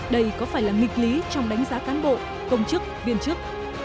đây có phải là nghịch lý trong đánh giá cán bộ công chức viên chức